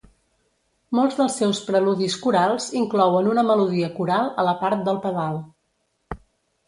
Molts dels seus preludis corals inclouen una melodia coral a la part del pedal.